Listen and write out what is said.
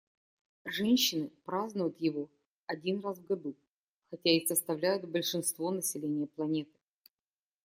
Женщины празднуют его один раз в году, хотя и составляют большинство населения планеты.